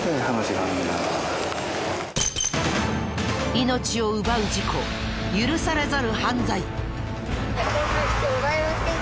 命を奪う事故許されざる犯罪。